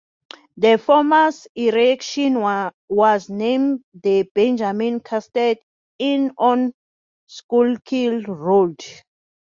The former's erection was named the Benjamin Custard Inn on Schuylkill Road.